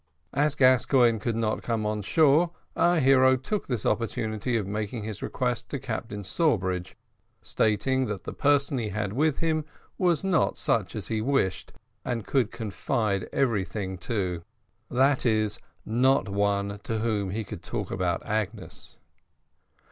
As Gascoigne could not come on shore, our hero took this opportunity of making his request to Captain Sawbridge, stating that the person he had with him was not such as he wished and could confide everything to; that is, not one to whom he could talk to about Agnes.